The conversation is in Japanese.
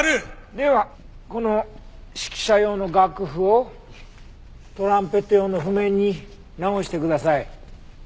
ではこの指揮者用の楽譜をトランペット用の譜面に直してください。